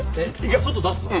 １回外出すの？